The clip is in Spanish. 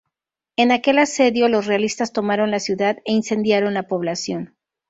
En aquel asedio, los realistas tomaron la ciudad e incendiaron la población.